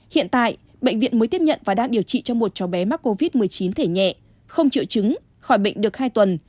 hiện tại bệnh viện mới tiếp nhận và đang điều trị cho một cháu bé mắc covid một mươi chín thể nhẹ không triệu chứng khỏi bệnh được hai tuần